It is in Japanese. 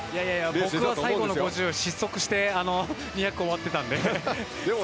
僕は最後の５０で失速して２００は終わってたので。